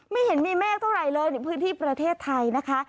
ไม่เห็นมีเมฆเท่าไหร่เลยในพื้นที่ประเทศไทยนะคะ